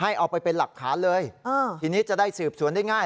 เอาไปเป็นหลักฐานเลยทีนี้จะได้สืบสวนได้ง่าย